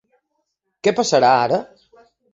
Què passarà ara?